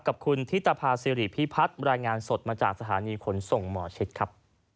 กับคุณธิตภาษิริพิพัฒน์รายงานสดมาจากสถานีขนส่งหมอชิดครับ